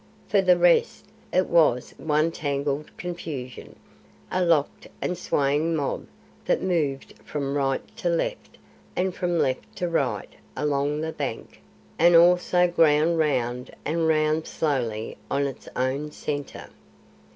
For the rest, it was one tangled confusion a locked and swaying mob that moved from right to left and from left to right along the bank; and also ground round and round slowly on its own centre.